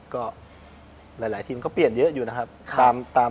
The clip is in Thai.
ก็หลายทีมก็เปลี่ยนเยอะอยู่นะครับ